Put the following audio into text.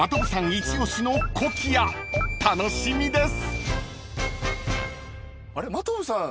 イチオシのコキア楽しみです］